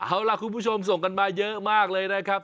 เอาล่ะคุณผู้ชมส่งกันมาเยอะมากเลยนะครับ